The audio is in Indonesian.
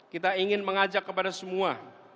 kita ingin mengajak kepada semua